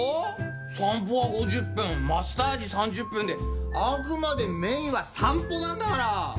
散歩は５０分マッサージ３０分であくまでメインは散歩なんだから！